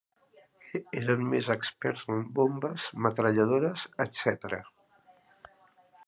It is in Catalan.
Eren més experts en bombes, metralladores, etcètera.